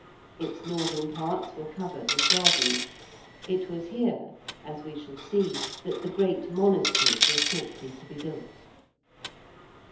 Its northern parts were covered with gardens. It was here, as we shall see, that the great monasteries were shortly to be built.